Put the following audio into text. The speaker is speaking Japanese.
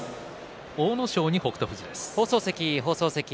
阿武咲に北勝富士です。